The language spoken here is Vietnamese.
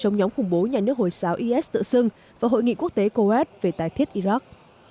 nóng khủng bố nhà nước hồi sáo is tựa sưng và hội nghị quốc tế kuwait về tài thiết iraq